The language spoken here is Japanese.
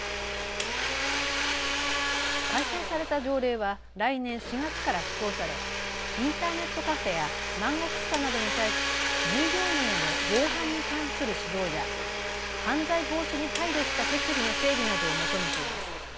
改正された条例は来年４月から施行されインターネットカフェや漫画喫茶などに対し従業員への防犯に関する指導や犯罪防止に配慮した設備の整備などを求めています。